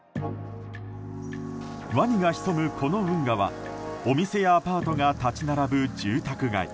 ワニが潜むこの運河はお店やアパートが立ち並ぶ住宅街。